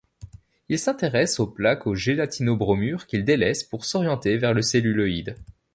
Il s'intéresse aux plaques au gélatino-bromure qu'il délaisse pour s'orienter vers le celluloïd.